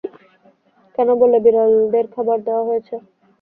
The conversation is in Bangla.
কেন বললে, বিড়ালদের খাবার দেওয়া হয়েছে?